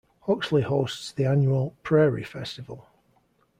Huxley hosts the annual Prairie Festival.